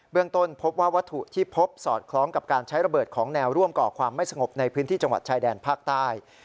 ต้นพบว่าวัตถุที่พบสอดคล้องกับการใช้ระเบิดของแนวร่วมก่อความไม่สงบในพื้นที่จังหวัดชายแดนภาคใต้